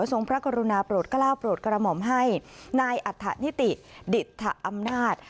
พระกรุณาโปรดกล้าวโปรดกระหม่อมให้นายอัฐนิติดดิตถอำนาจ